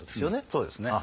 そうですね。